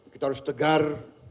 kita harus tegar